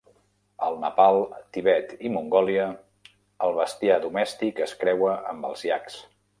Al Nepal, Tibet i Mongòlia, el bestiar domèstics es creua amb els iacs.